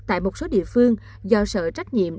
tại một số địa phương do sở trách nhiệm